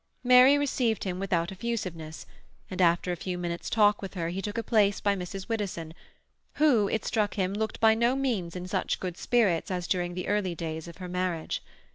Mary received him without effusiveness, and after a few minutes' talk with her he took a place by Mrs. Widdowson, who, it struck him, looked by no means in such good spirits as during the early days of her marriage.